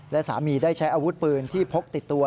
และสามีได้ใช้อาวุธปืนที่พกติดตัว